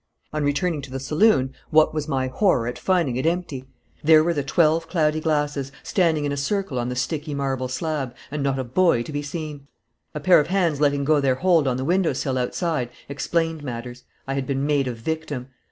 On returning to the saloon, what was my horror at finding it empty! There were the twelve cloudy glasses, standing in a circle on the sticky marble slab, and not a boy to be seen. A pair of hands letting go their hold on the window sill outside explained matters. I had been made a victim.